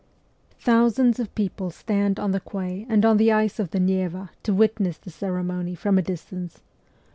Thousands of people stand on the quay and on the ice of the Neva to witness the ceremony from a distance.